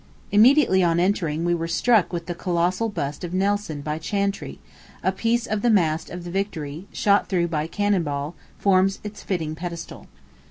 Immediately on entering, we were struck with the colossal bust of Nelson by Chantrey, A piece of the mast of the Victory, shot through by a cannon ball, forms its fitting pedestal.